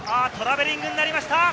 トラベリングになりました。